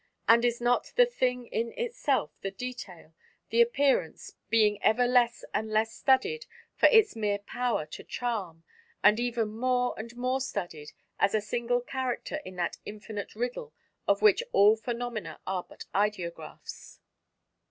And is not the thing in itself, the detail, the appearance, being ever less and less studied for its mere power to charm, and ever more and more studied as a single character in that Infinite Riddle of which all phenomena are but ideographs?